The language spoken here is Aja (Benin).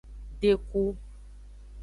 Deku.